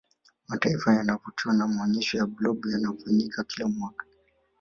mataifa yanavutiwa na maonyesho ya blob yanayofanyika kila mwaka